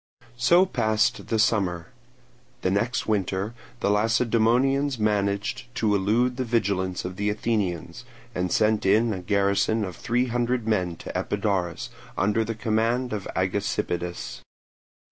So passed the summer. The next winter the Lacedaemonians managed to elude the vigilance of the Athenians, and sent in a garrison of three hundred men to Epidaurus, under the command of Agesippidas.